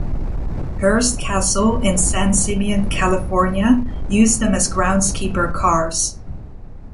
Hearst Castle, in San Simeon, California, used them as groundskeeper cars.